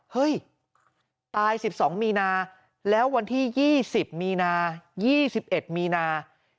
เฮ้ยตาย๑๒มีนาแล้ววันที่๒๐มีนา๒๑มีนา